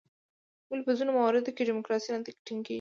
ولې په ځینو مواردو کې ډیموکراسي نه ټینګیږي؟